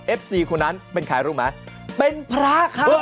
ซีคนนั้นเป็นใครรู้ไหมเป็นพระครับ